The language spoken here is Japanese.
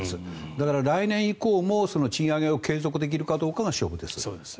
だから、来年以降も賃上げを継続できるかどうかが焦点です。